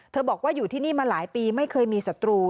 บอกว่าอยู่ที่นี่มาหลายปีไม่เคยมีศัตรู